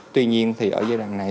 tuy nhiên thì ở giai đoạn này